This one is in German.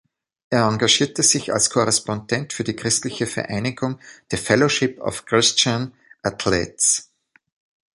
Er engagierte sich als Korrespondent für die christliche Vereinigung "The Fellowship of Christian Athletes".